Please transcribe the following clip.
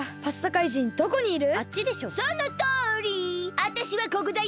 あたしはここだよ！